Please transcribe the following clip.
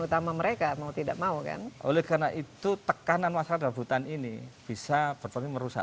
utama mereka mau tidak mau kan oleh karena itu tekanan masalah dalam hutan ini bisa berpotensi merusak